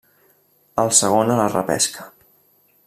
El segon a la repesca.